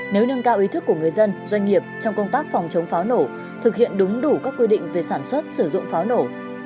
nếu nâng cao ý thức của người dân doanh nghiệp trong công tác phòng chống pháo nổ thực hiện đúng đủ các quy định về sản xuất sử dụng pháo nổ